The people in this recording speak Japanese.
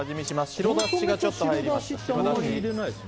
白だしがちょっと入りました。